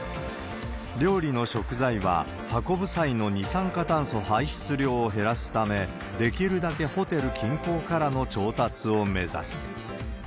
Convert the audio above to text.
料理の食材は、運ぶ際の二酸化炭素排出量を減らすため、できるだけホテル近郊からの調達を目指す。